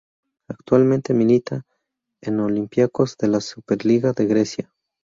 Actualmente milita en Olympiacos de la Superliga de Grecia.